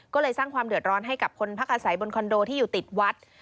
ก็เลยสร้างความเดือดร้อนให้กับคนพักอาศัยบนคอนโดที่อยู่ติดวัด